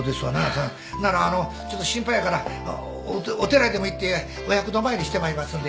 ならあのちょっと心配やからお寺でも行ってお百度参りしてまいりますんで。